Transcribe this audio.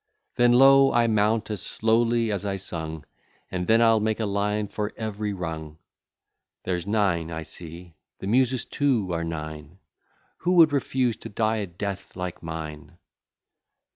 Then lo, I mount as slowly as I sung, And then I'll make a line for every rung; There's nine, I see, the Muses, too, are nine. Who would refuse to die a death like mine!